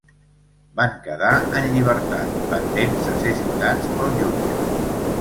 Van quedar en llibertat, pendents de ser citats pel jutge.